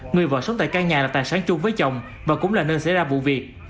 người vợ sống tại căn nhà là tài sản chung với chồng và cũng là nơi xảy ra vụ việc